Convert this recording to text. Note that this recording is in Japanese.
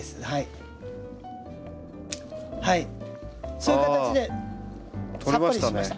そういう形でサッパリしました。